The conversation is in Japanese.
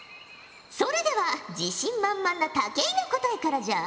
それでは自信満々な武井の答えからじゃ。